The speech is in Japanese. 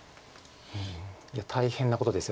いや大変なことです